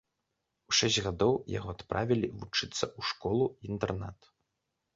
У шэсць гадоў яго адправілі вучыцца ў школу-інтэрнат.